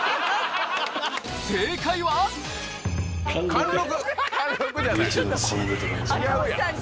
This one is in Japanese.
貫禄！